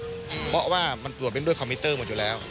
เพราะว่ามันตรวจเป็นด้วยคอมพิวเตอร์หมดอยู่แล้ว